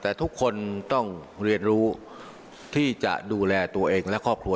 แต่ทุกคนต้องเรียนรู้ที่จะดูแลตัวเองและครอบครัว